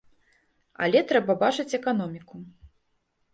Але трэба бачыць эканоміку.